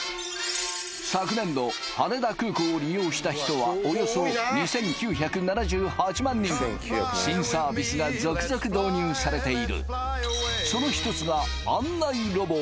昨年度羽田空港を利用した人はおよそ２９７８万人新サービスが続々導入されているその１つが案内ロボ